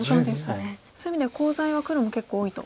そういう意味ではコウ材は黒も結構多いと。